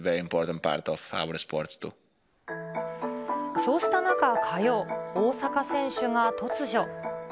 そうした中、火曜、大坂選手が突如。